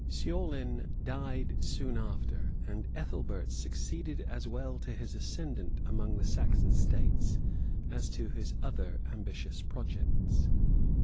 [] Ceaulin died soon after; and Ethelbert succeeded as well to his ascendant among the Saxon states, as to his other ambitious projects.